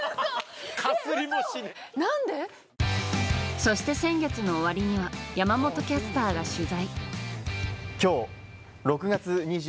そして先月の終わりには山本キャスターが取材。